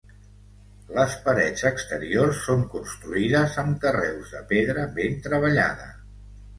Les parets exteriors són construïdes amb carreus de pedra ben treballada.